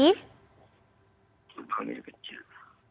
tidak ini kecil